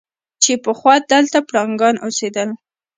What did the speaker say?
چې پخوا دلته پړانګان اوسېدل.